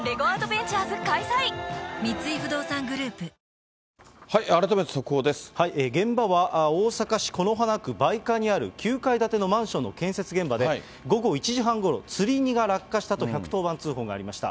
キッコーマン現場は、大阪市此花区梅香にある９階建てのマンションの建設現場で、午後１時半ごろ、つり荷が落下したと１１０番通報がありました。